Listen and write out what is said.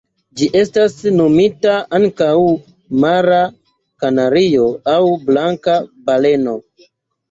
Ĝi estas nomita ankaŭ Mara kanario aŭ Blanka baleno.